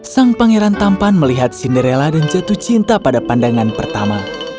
sang pangeran tampan melihat cinderella dan jatuh cinta pada pandangan pertama